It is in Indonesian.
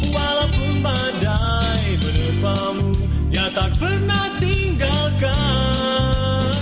walaupun badai menepamu dia tak pernah tinggalkan